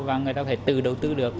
và người ta có thể tự đầu tư được